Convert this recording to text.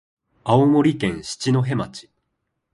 青森県七戸町